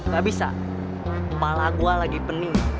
gak bisa kepala gue lagi pening